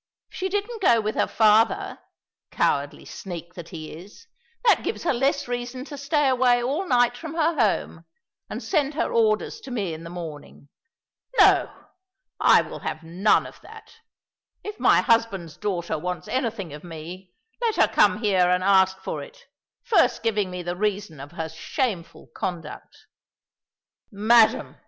If she didn't go with her father (cowardly sneak that he is), that gives her less reason to stay away all night from her home, and send her orders to me in the morning. No, I will have none of that! If my husband's daughter wants anything of me, let her come here and ask for it, first giving me the reason of her shameful conduct." "Madam!"